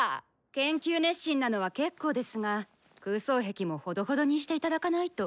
研究熱心なのは結構ですが空想癖もほどほどにして頂かないと。